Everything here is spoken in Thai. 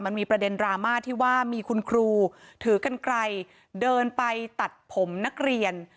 มันมีประเด็นดราม่าที่ว่ามีคุณครูถือกันไกลเดินไปตัดผมนักเรียน